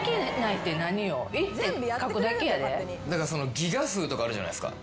ギガ数とかあるじゃないですか。